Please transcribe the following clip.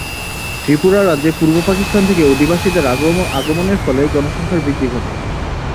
ত্রিপুরা রাজ্যে পূর্ব পাকিস্তান থেকে অধিবাসীদের আগমনের ফলে জনসংখ্যার বৃদ্ধি ঘটে।